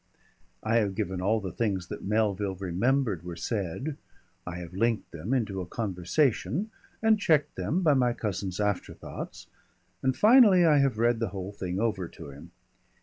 I have given all the things that Melville remembered were said, I have linked them into a conversation and checked them by my cousin's afterthoughts, and finally I have read the whole thing over to him.